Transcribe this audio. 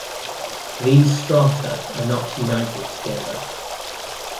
These strata are not united together.